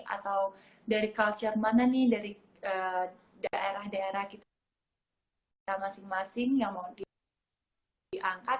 atau dari culture mana nih dari daerah daerah kita masing masing yang mau diangkat